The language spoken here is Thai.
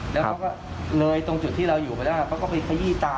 ตรงจุดที่เราอยู่ก็ไปขยี้ตา